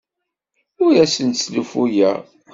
Ur asen-sslufuyeɣ.